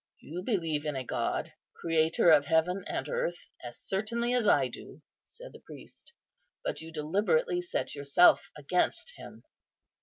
"You believe in a God, Creator of heaven and earth, as certainly as I do," said the priest, "but you deliberately set yourself against Him."